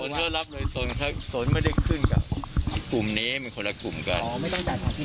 สวนเชื่อรับเลยสวนไม่ได้ขึ้นกับกลุ่มนี้มันคนละกลุ่มกัน